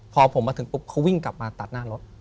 พอผมมาถึงปุ๊บเขาวิ่งกลับมาตัดหน้ารถ